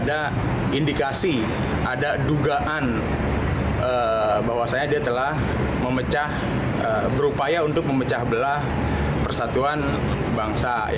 dan menilai pernyataan amin rais sebagai ujaran kebencian